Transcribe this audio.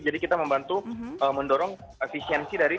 jadi kita membantu mendorong efisiensi dari presiden